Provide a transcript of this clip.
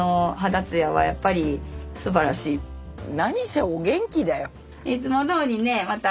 何せお元気だよ。